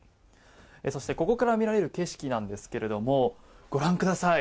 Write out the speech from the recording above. そして、ここから見られる景色なんですけどもご覧ください。